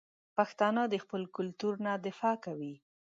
پښتانه د خپل کلتور نه دفاع کوي.